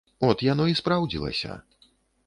От яно і спраўдзілася.